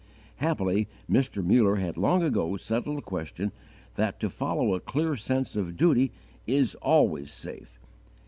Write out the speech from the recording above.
Happily Mr. Muller had long ago settled the question that _to follow a clear sense of duty is always safe.